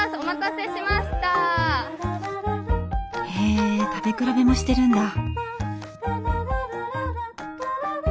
へえ食べ比べもしてるんだ。